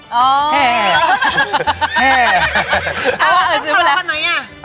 ต้องทะเลาะกันไหมอะ